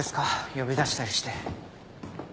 呼び出したりして。